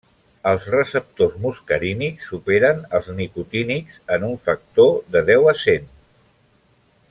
Els receptors muscarínics superen els nicotínics en un factor de deu a cent.